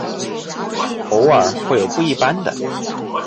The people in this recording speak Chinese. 偶尔会有不一般的。